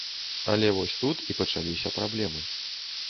Але вось тут і пачаліся праблемы.